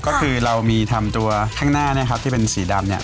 ก็คือเรามีทำตัวข้างหน้าที่เป็นสีดำ